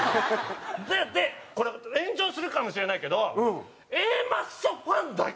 でこれ炎上するかもしれないけど。